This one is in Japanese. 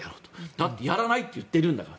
だって、やらないと言っているんだから。